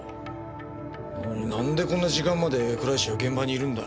なのになんでこんな時間まで倉石が現場にいるんだ？